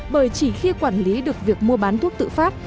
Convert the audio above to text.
bởi chỉ khi quản lý được việc mua bán thuốc tự phát